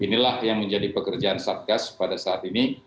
inilah yang menjadi pekerjaan satgas pada saat ini